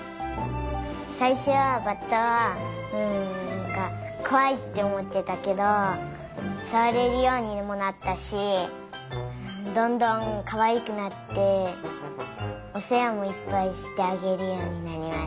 さいしょはバッタはうんなんかこわいっておもってたけどさわれるようにもなったしどんどんかわいくなっておせわもいっぱいしてあげるようになりました。